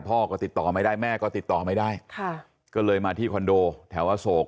พ่อก็ติดต่อไม่ได้แม่ก็ติดต่อไม่ได้ค่ะก็เลยมาที่คอนโดแถวอโศก